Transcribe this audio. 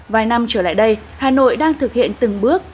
vài năm trở lại đây hà nội đang thực hiện từng bước